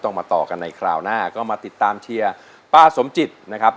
มาต่อกันในคราวหน้าก็มาติดตามเชียร์ป้าสมจิตนะครับ